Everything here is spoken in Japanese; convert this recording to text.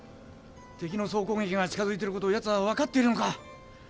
敵の総攻撃が近づいている事をヤツは分かっているのか！？